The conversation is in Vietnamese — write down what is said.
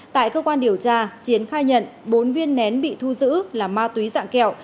tại cơ quan điều tra chiến khai nhận bốn viên nén bị thu giữ là ma túy dạng kẹo